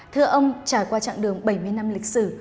thưa ông trải qua chặng đường bảy mươi năm lịch sử